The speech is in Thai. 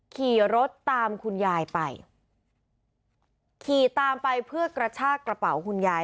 ขี่รถตามคุณยายไปขี่ตามไปเพื่อกระชากระเป๋าคุณยาย